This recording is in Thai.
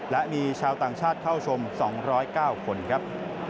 และมีชาวต่างชาติเข้าชม๒๐๙คนครับ